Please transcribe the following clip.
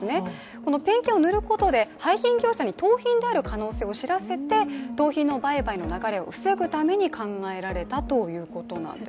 このペンキを塗ることで廃品業者に盗品である可能性を知らせて盗品の売買の流れを防ぐために考えられたということなんです。